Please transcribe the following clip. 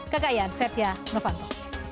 kekayaan setia novanto